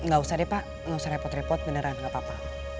gak usah deh pak gak usah repot repot beneran gapapa